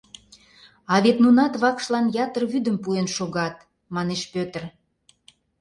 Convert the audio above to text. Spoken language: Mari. А вет нунат вакшлан ятыр вӱдым пуэн шогат, — манеш Пӧтыр.